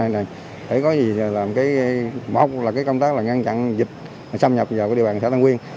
để có gì làm một là công tác ngăn chặn dịch xâm nhập vào địa bàn xã tân uyên